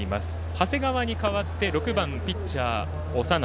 長谷川に代わって６番ピッチャーの長内。